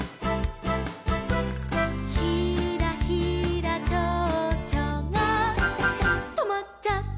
「ひらひらちょうちょがとまっちゃった」